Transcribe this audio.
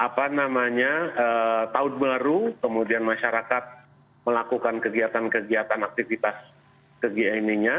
apa namanya tahun baru kemudian masyarakat melakukan kegiatan kegiatan aktivitas ke gni nya